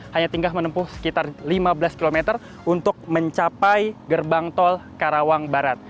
hanya tinggal menempuh sekitar lima belas km untuk mencapai gerbang tol karawang barat